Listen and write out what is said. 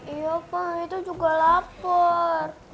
iya pak itu juga lapor